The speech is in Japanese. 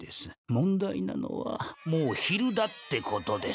問題なのはもう昼だってことです。